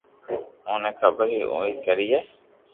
اوني خبر ھي اوئي ڪرئي